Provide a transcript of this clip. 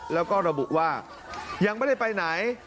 แล้วก็ระบุว่ายังไม่ได้ไปไหน